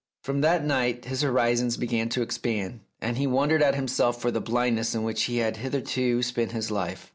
From that night his horizons began to expand, and he wondered at himself for the blindness in which he had hitherto spent his life.